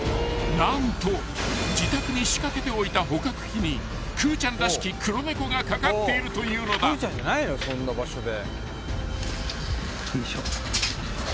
［何と自宅に仕掛けておいた捕獲器にくーちゃんらしき黒猫がかかっているというのだ］よいしょ。